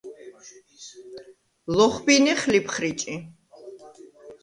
ლოხბინეხ ლიფხრიჭი.